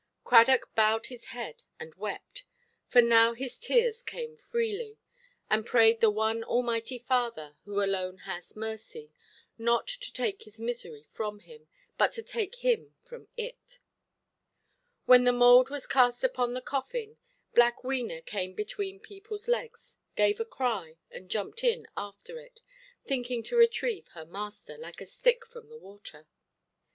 Cradock bowed his head and wept, for now his tears came freely, and prayed the one Almighty Father, who alone has mercy, not to take his misery from him, but to take him from it. When the mould was cast upon the coffin, black Wena came between peopleʼs legs, gave a cry, and jumped in after it, thinking to retrieve her master, like a stick from the water.